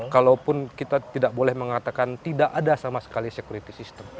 kalaupun kita tidak boleh mengatakan tidak ada sama sekali security system